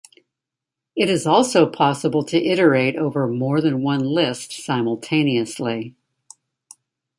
It is also possible to iterate over more than one list simultaneously.